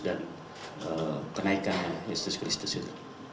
dan kenaikan yesus kristus itu